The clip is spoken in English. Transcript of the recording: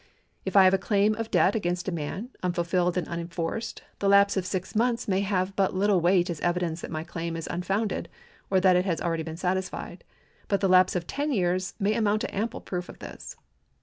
If I have a claim of debt against a man, unfulfilled and unenforced, the lapse of six months may have but little weight as evidence that my claim is unfounded or that it has been already satisfied ; but the lapse of ten years may amount to ample proof of this.